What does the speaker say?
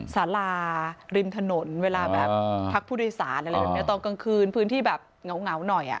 สาราริมถนนเวลาแบบพักผู้โดยสารอะไรแบบนี้ตอนกลางคืนพื้นที่แบบเหงาหน่อย